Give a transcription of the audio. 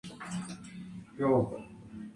El acceso es por Maroma Adventures.